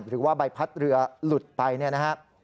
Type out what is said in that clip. หรือว่าใบพัดเรือหลุดไปเนี่ยนะฮะ